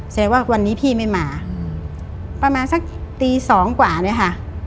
แสดงว่าวันนี้พี่ไม่มาประมาณสักตีสองกว่าเนี่ยค่ะ